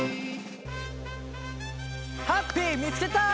ハッピーみつけた！